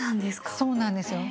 そうなんですよ。